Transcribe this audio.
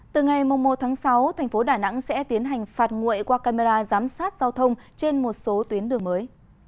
từ ngày một sáu thành phố đà nẵng sẽ tiến hành phạt nguội qua camera giám sát giao thông trên một số tuyến đường mới